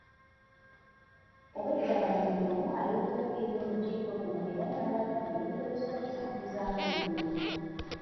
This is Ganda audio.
Obwedda bano buli omu ayogerako eri olukiiko luno era n'alaga bwe yeetegese okutambuzaamu emirimu.